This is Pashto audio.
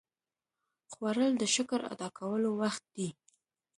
خوړل د شکر ادا کولو وخت دی